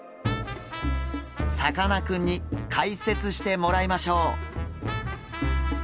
さかなクンに解説してもらいましょう。